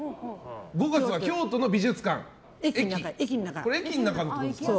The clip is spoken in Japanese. ５月は京都の美術館駅の中ってことですか。